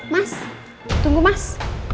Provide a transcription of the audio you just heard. mas tunggu mas